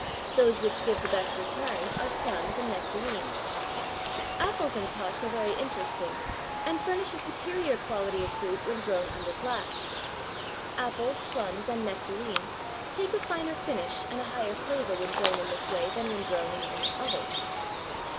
Those which give the best returns are plums and nectarines. Apples in pots are very interesting and furnish a superior quality of fruit when grown under glass. Apples, plums and nectarines take a finer finish and a higher flavor when grown in this way than when grown in any other.